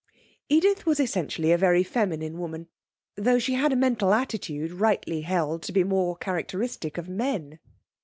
Edith was essentially a very feminine woman though she had a mental attitude rightly held to be more characteristic of men.